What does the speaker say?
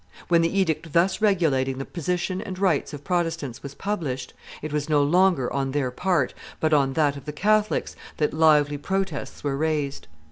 When the edict thus regulating the position and rights of Protestants was published, it was no longer on their part, but on that of the Catholics, that lively protests were raised.